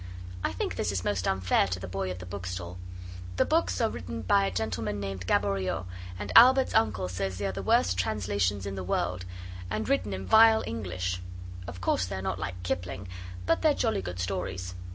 I think this is most unfair to the boy at the bookstall. The books are written by a gentleman named Gaboriau, and Albert's uncle says they are the worst translations in the world and written in vile English. Of course they're not like Kipling, but they're jolly good stories.